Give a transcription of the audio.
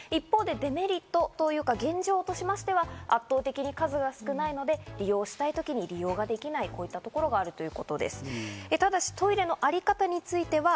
一方、デメリットというか、現状としては圧倒的に数が少ないので、利用したいときに利用できない、こういったところはあるということです。